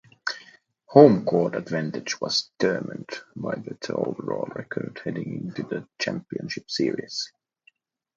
Home court advantage was determined by better overall record heading into the championship series.